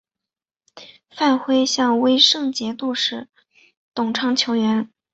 范晖向威胜节度使董昌求援。